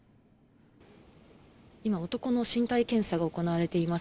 今、男の身体検査が行われています。